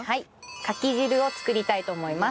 カキ汁を作りたいと思います。